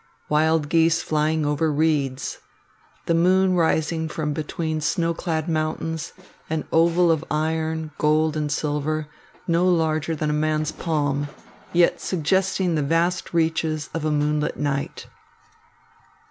Wild geese flying over reeds. The moon rising from between snow clad mountains, an oval of iron, gold and silver, no larger than a man's palm, yet suggesting the vast reaches of a moonlit night.